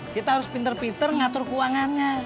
kita harus pinter pinter ngatur keuangannya